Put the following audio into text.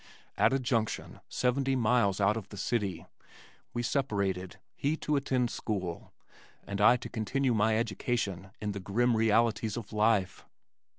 At a junction seventy miles out of the city, we separated, he to attend a school, and I to continue my education in the grim realities of life.